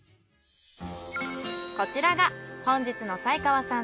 こちらが本日の斎川さん